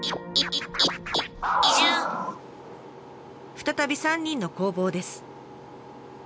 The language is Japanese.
再び３人の工房です。